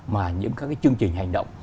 mà những các cái chương trình hành động